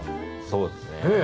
そうですね。